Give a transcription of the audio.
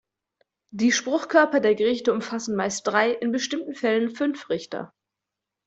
Die Spruchkörper der Gerichte umfassen meist drei, in bestimmten Fällen fünf Richter.